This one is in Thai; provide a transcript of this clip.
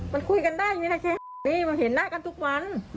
มันคุยกันได้ไงนะเจ๊นี่มันเห็นหน้ากันทุกวัน